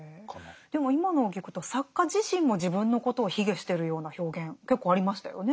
でも今のを聞くと作家自身も自分のことを卑下してるような表現結構ありましたよね。